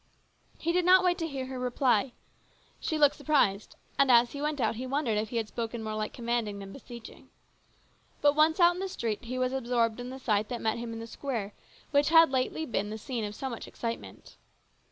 He did not wait to hear her reply. She looked surprised, and as he went out he wondered if he had spoken more like commanding than beseeching. But A MEMORABLE NIGHT. 149 once 'out in the street he was absorbed in the sight that met him in the square which had lately been the scene of so much excitement.